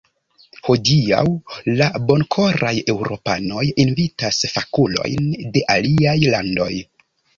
Hodiaŭ la bonkoraj eŭropanoj invitas fakulojn de aliaj landoj.